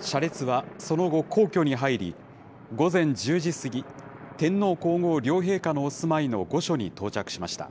車列はその後、皇居に入り、午前１０時過ぎ、天皇皇后両陛下のお住まいの御所に到着しました。